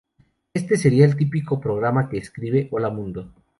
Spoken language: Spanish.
Este sería el típico programa que escribe "Hola mundo!